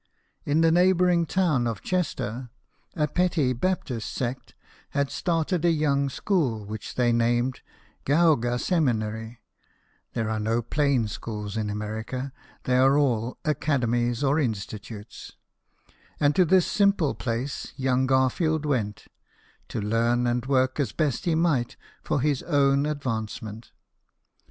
In the neigh bouring town of Chester, a petty Baptist sect had started a young school which they named Geauga Seminary (there are no plain schools in America they are all ''academies" or " institutes "); and to this simple place young Garfield went, to learn and work as best he might for his own advancement.